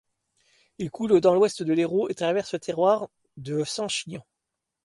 Il coule dans l'Ouest de l'Hérault et traverse le terroir du vignoble de Saint-Chinian.